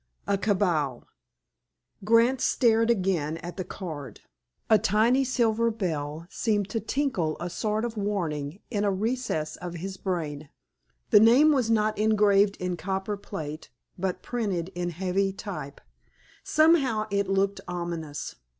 A Cabal Grant stared again at the card. A tiny silver bell seemed to tinkle a sort of warning in a recess of his brain. The name was not engraved in copper plate, but printed in heavy type. Somehow, it looked ominous.